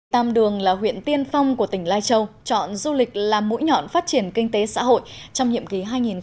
tam đường là huyện tiên phong của tỉnh lai châu chọn du lịch là mũi nhọn phát triển kinh tế xã hội trong nhiệm ký hai nghìn hai mươi một hai nghìn hai mươi năm